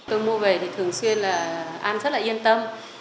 tôi mua về thì thường xuyên là ăn rất là yên tâm